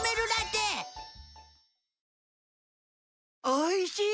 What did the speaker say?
おいしい！